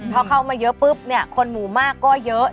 พอเข้ามาเยอะปุ๊บเนี่ยคนหมู่มากก็เยอะ